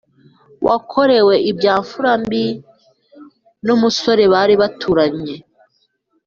Wakorewe ibya mfura mbi n umusore bari baturanye